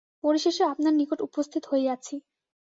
পরিশেষে আপনকার নিকট উপস্থিত হইয়াছি।